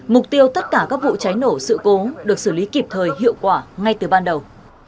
mục tiêu tất cả các vụ cháy nổ sự cố được xử lý kịp thời hiệu quả ngay từ ban đầu